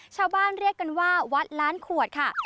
ชาวบ้านเรียกกันว่าวัดล้านขวดค่ะ